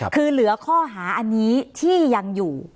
คือเหลือข้อหาอันนี้ที่ยังอยู่